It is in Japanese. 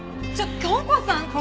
ちょっと響子さん！